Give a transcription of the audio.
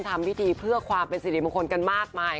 ทำพิธีเพื่อความเป็นสิริมงคลกันมากมาย